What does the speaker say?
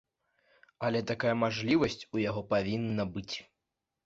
Але такая мажлівасць у яго павінна быць.